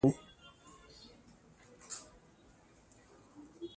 د جعفری ګل د پښتورګو لپاره وکاروئ